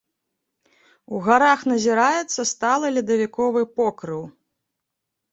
У гарах назіраецца сталы ледавіковы покрыў.